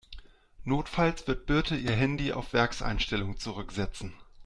Notfalls wird Birte ihr Handy auf Werkseinstellungen zurücksetzen.